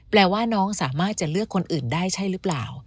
แปลว่าน้องสามารถจะเลือกคนอื่นได้ใช่หรือเปล่า